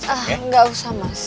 ah gak usah mas